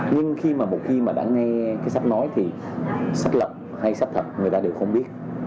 nhưng khi mà một khi mà đã nghe cái sách nói thì sách lật hay sách thật người ta đều không biết